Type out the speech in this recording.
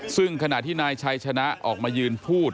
ซึ่งขณะที่นายชัยชนะออกมายืนพูด